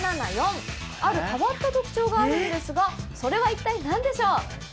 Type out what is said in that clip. ある変わった特徴があるんですがそれは一体なんでしょう？